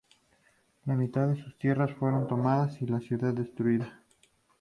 La mitad de sus tierras fueron tomadas y la ciudad destruida.